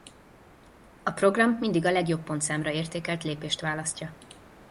A program mindig a legjobb pontszámra értékelt lépést választja.